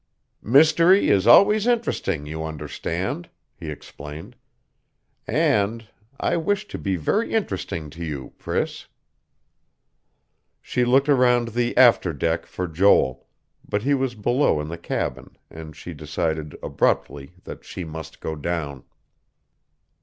"Mystery is always interesting, you understand," he explained. "And I wish to be very interesting to you, Priss." She looked around the after deck for Joel; but he was below in the cabin, and she decided, abruptly, that she must go down....